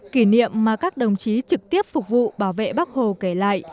kỷ niệm mà các đồng chí trực tiếp phục vụ bảo vệ bác hồ kể lại